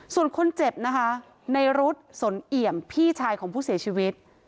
ส่วนคนเจ็บนะคะในรถสนเอี่ยมพี่ชายของผู้เสียชีวิต